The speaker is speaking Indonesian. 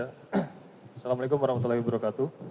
assalamu'alaikum warahmatullahi wabarakatuh